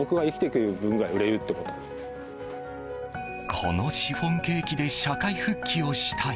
このシフォンケーキで社会復帰をしたい。